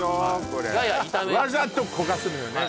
これわざと焦がすのよね